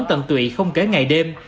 tận tụy không kể ngày đêm